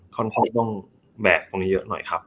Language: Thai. ค่อนข้างอ้วงแบกตรงนี้เยอะหน่อยครับ